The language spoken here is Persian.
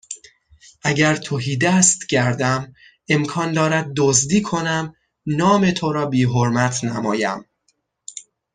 اگر تهیدست گردم امکان دارد دزدی کنم نام تو را بیحرمت نمایم